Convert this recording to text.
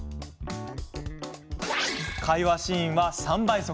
会話シーンは３倍速。